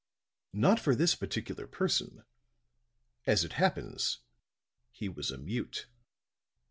"Not for this particular person. As it happens, he was a mute."